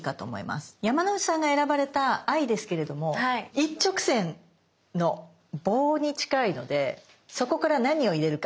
山之内さんが選ばれた「Ｉ」ですけれども一直線の棒に近いのでそこから何を入れるか。